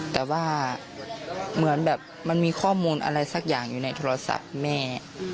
แต่ว่าเหมือนแบบมันมีข้อมูลอะไรสักอย่างอยู่ในโทรศัพท์แม่